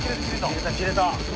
切れた切れた。